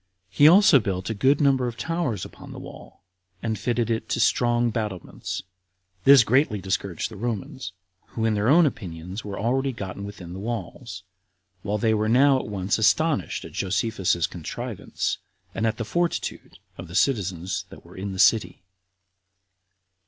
He also built a good number of towers upon the wall, and fitted it to strong battlements. This greatly discouraged the Romans, who in their own opinions were already gotten within the walls, while they were now at once astonished at Josephus's contrivance, and at the fortitude of the citizens that were in the city.